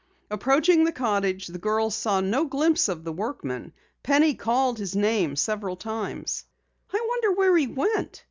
Approaching the cottage, the girls saw no glimpse of the workman. Penny called his name several times. "I wonder where he went?"